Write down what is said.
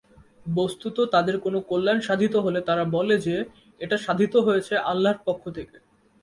বস্তুত তাদের কোনো কল্যাণ সাধিত হলে তারা বলে যে, এটা সাধিত হয়েছে আল্লাহর পক্ষ থেকে।